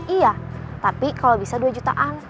iya tapi kalau bisa dua jutaan